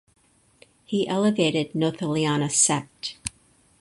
He elevated "Notholaena" sect.